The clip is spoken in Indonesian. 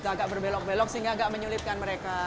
agak berbelok belok sehingga agak menyulitkan mereka